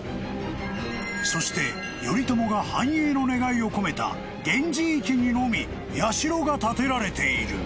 ［そして頼朝が繁栄の願いを込めた源氏池にのみ社が建てられている］